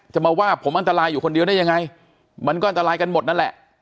จะมาว่าผมอันตรายอยู่คนเดียวได้ยังไงมันก็อันตรายกันหมดนั่นแหละ